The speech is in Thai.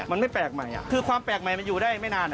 มันไม่แปลกใหม่คือความแปลกใหม่มันอยู่ได้ไม่นาน